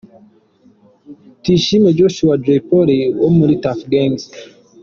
Tuyishime Joshua: Jay Polly wo muri Tuff Gang.